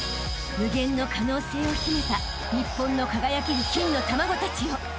［無限の可能性を秘めた日本の輝ける金の卵たちよ］